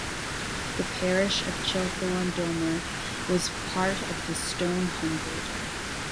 The parish of Chilthorne Domer was part of the Stone Hundred.